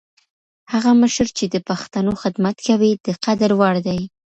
هغه مشر چي د پښتنو خدمت کوي، د قدر وړ دی.